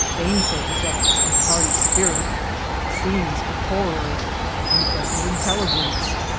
— Baneful Effects of Party Spirit.— Scenes of Horror. — Unpleasant Intelligence.